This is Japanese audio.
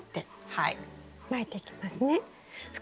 はい。